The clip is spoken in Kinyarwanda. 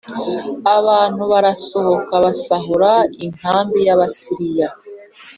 Abantu barasohoka basahura k inkambi y Abasiriya